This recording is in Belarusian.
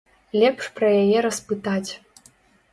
Лепш пра яе распытаць.